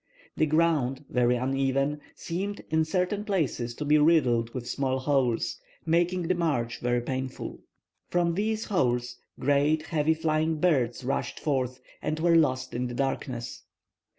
The ground, very uneven, seemed in certain places to be riddled with small holes, making the march very painful. From these holes, great, heavy flying birds rushed forth, and were lost in the darkness.